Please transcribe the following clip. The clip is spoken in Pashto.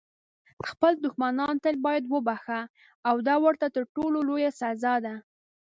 خپل دښمنان تل باید وبخښه، دا ورته تر ټولو لویه سزا ده.